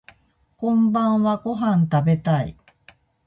こんばんはご飯食べたい